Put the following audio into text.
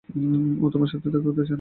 ও তোমার সাথে দেখা করতে চায় না, গ্রাজি।